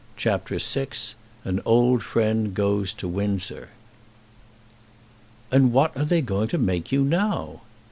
CHAPTER VI An Old Friend Goes to Windsor "And what are they going to make you now?"